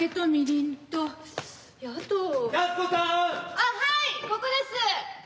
あっはいここです！